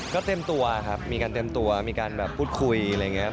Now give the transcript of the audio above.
ก็เต็มตัวครับมีการเตรียมตัวมีการแบบพูดคุยอะไรอย่างนี้